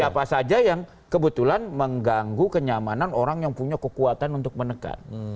siapa saja yang kebetulan mengganggu kenyamanan orang yang punya kekuatan untuk menekan